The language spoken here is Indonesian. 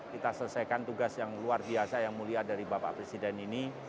kita selesaikan tugas yang luar biasa yang mulia dari bapak presiden ini